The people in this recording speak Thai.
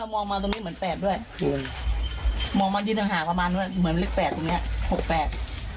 มองมาตรงนี้เหมือนแปดด้วยมองมายืนต่างหากประมาณด้วยเหมือนเลขแปดตรงเนี้ยหกแปด